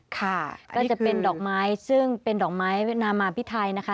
ค่ะก็จะเป็นดอกไม้ซึ่งเป็นดอกไม้เวีนามาพิไทยนะคะ